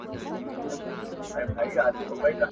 پړانګ چي هر څه منډي وکړې لاندي باندي !.